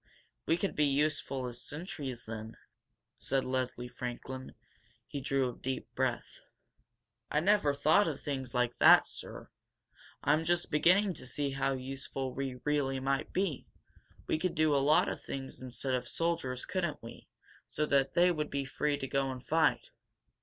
'We could be useful as sentries, then?" said Leslie Franklin. He drew a deep breath. "I never thought of things like that, sir! I'm just beginning to see how useful we really might be. We could do a lot of things instead of soldiers, couldn't we? So that they would be free to go and fight?"